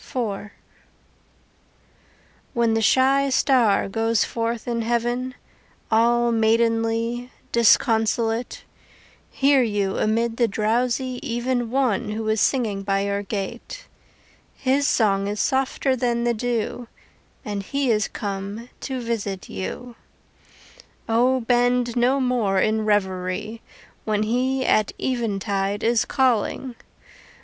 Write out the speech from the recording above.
IV When the shy star goes forth in heaven All maidenly, disconsolate, Hear you amid the drowsy even One who is singing by your gate. His song is softer than the dew And he is come to visit you. O bend no more in revery When he at eventide is calling.